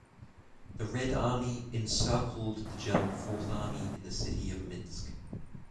The Red Army encircled the German Fourth Army in the city of Minsk.